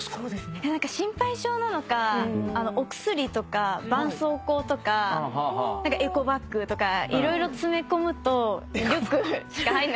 何か心配性なのかお薬とかばんそうこうとかエコバッグとか色々詰め込むとリュックしか入んなくなっちゃって。